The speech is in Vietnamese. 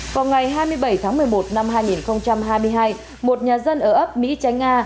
vào ngày hai mươi bảy tháng một mươi một năm hai nghìn hai mươi hai một nhà dân ở ấp mỹ chánh nga